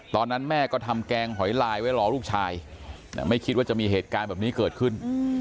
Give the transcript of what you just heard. ตอนนั้นแม่ก็ทำแกงหอยลายไว้รอลูกชายไม่คิดว่าจะมีเหตุการณ์แบบนี้เกิดขึ้น